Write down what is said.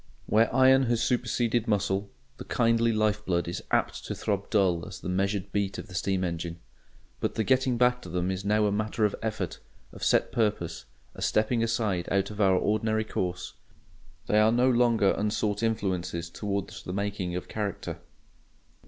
Where iron has superseded muscle, the kindly life blood is apt to throb dull as the measured beat of the steam engine. But the getting back to them is now a matter of effort, of set purpose, a stepping aside out of our ordinary course; they are no longer unsought influences towards the making of character.